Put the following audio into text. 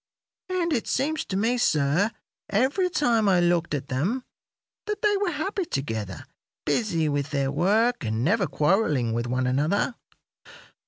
And it seemed to me, sir, every time I looked at them, that they were happy together, busy with their work and never quarrelling with one another.